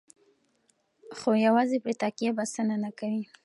خو یوازې پرې تکیه بسنه نه کوي.